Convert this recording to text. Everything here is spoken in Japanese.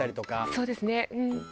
そうですねうん。